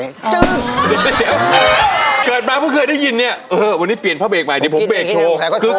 ก๋วยเตี๋ยวเกิดมาเพิ่งเคยได้ยินเนี่ยเออวันนี้เปลี่ยนพระเบรกใหม่เดี๋ยวผมเบรกโชว์